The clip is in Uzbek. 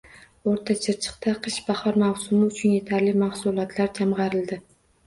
O‘rta Chirchiqda qish-bahor mavsumi uchun yetarli mahsulotlar jamg‘arildi